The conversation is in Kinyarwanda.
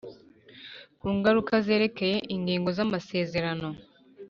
Ku Ngaruka Zerekeye Ingingo Z Amasezerano